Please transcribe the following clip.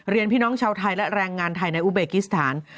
พี่น้องชาวไทยและแรงงานไทยในอุเบกิสถาน